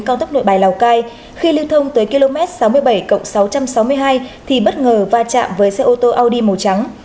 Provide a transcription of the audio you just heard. cao tốc nội bài lào cai khi lưu thông tới km sáu mươi bảy cộng sáu trăm sáu mươi hai thì bất ngờ va chạm với xe ô tô audi màu trắng